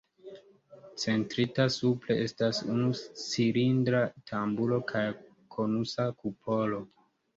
Centrita supre estas unu cilindra tamburo kaj konusa kupolo.